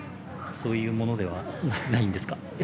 そういうものではないんですか？